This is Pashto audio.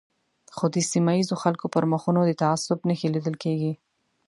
خو د سیمه ییزو خلکو پر مخونو د تعصب نښې لیدل کېږي.